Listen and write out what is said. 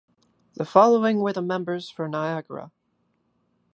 The following were the members for Niagara.